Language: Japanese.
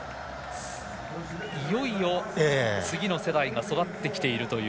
いよいよ次の世代が育ってきているという。